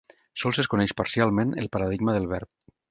Sols es coneix parcialment el paradigma del verb.